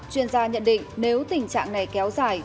chuyên gia nhận định nếu tình trạng này kéo dài